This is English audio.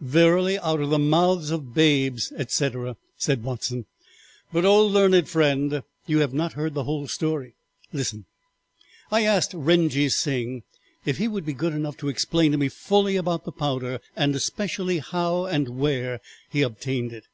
"Verily, out of the mouths of babes, etc.," said Watson, "but, O learned friend, you have not heard the whole story. Listen. I asked Rengee Sing if he would be good enough to explain to me fully about the powder and especially how and where he obtained it.